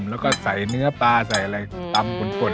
แล้วก็ใส่เนื้อปลาใส่อะไรตำขน